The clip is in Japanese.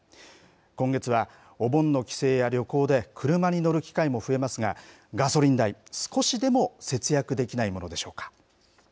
今月はお盆の帰省や旅行で車に乗る機会も増えますが、ガソリン代、少しでも節約できないものでしょうか。